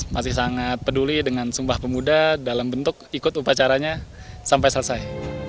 masih sangat peduli dengan sumpah pemuda dalam bentuk ikut upacaranya sampai selesai